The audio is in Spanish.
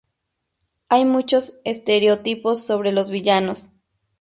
Hay muchos estereotipos sobre los villanos.